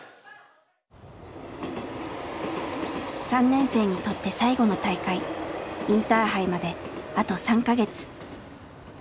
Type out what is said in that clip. ３年生にとって最後の大会インターハイまであと３か月。